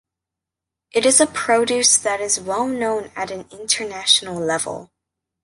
It is a produce that is well known at an international level.